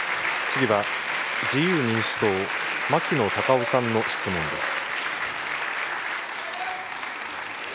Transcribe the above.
次は、自由民主党、牧野たかおさんの質問です。